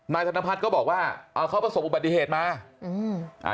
นายสัตว์น้ำพัดก็บอกว่าเขาประสบบัติเหตุมา